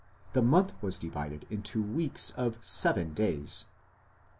The month was divided into weeks of seven days....